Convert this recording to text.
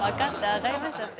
わかりましたって。